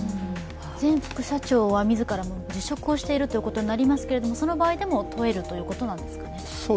前副社長は自ら辞職をしているということになりますがその場合でも問えるということなんですかね。